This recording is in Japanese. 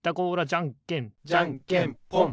じゃんけんじゃんけんぽん！